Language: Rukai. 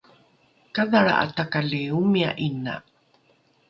kadhalra’a takali omia ’ina